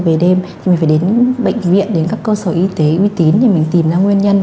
về đêm thì mình phải đến bệnh viện đến các cơ sở y tế uy tín để mình tìm ra nguyên nhân